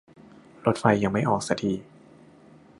รถไฟยังไม่ออกซะที